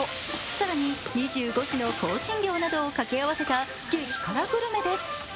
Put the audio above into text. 更に２５種の香辛料などをかけ合わせた激辛グルメです。